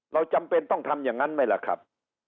จำเป็นต้องทำอย่างนั้นไหมล่ะครับ